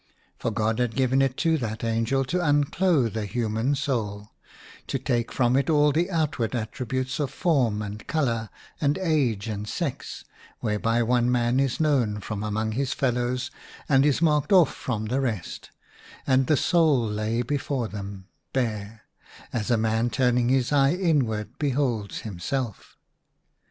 For God had given it to that angel to unclothe a human soul ; to take from it all those outward attributes of fornj, and colour, and age, and sex, whereby one man is known from among his fellows and is marked off from the rest, and the soul lay before them, bare, as a man turning his eye inwards beholds himself.